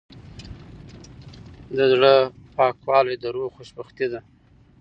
د زړه پاکوالی د روح خوشبختي ده.